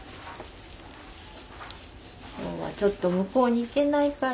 今日はちょっと向こうに行けないから。